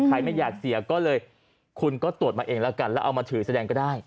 ไม่อยากเสียก็เลยคุณก็ตรวจมาเองแล้วกันแล้วเอามาถือแสดงก็ได้